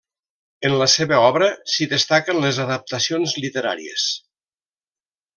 En la seva obra s'hi destaquen les adaptacions literàries.